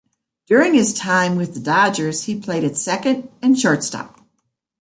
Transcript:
During his time with the Dodgers, he played at second and shortstop.